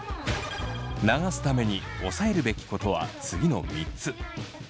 流すためにおさえるべきことは次の３つ。